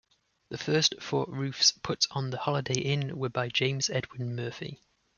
The first four roofs put on the Holiday Inn were by James Edwin Murphy.